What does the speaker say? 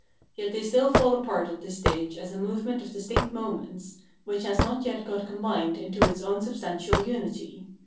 Yet they still fall apart at this stage as a movement of distinct moments, which has not yet got combined into its own substantial unity.